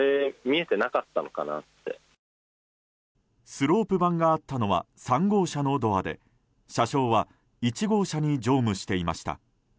スロープ板があったのは３号車のドアで車掌は１号車に乗務していました。